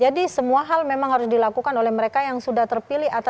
jadi semua hal memang harus dilakukan oleh mereka yang sudah terpilih atas kepentingan